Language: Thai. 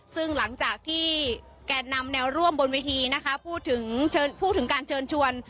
ซึ่งหลังจากที่แก่นำแนวร่วมบนเวทีนะคะพูดถึงการเชิญชวน